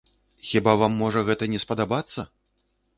Хіба вам можа гэта не спадабацца?